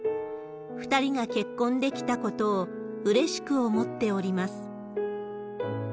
２人が結婚できたことをうれしく思っております。